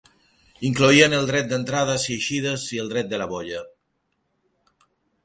Incloïen el dret d'entrades i eixides i el dret de la bolla.